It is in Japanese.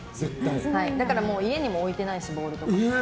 だから家にも置いてないしボールとか。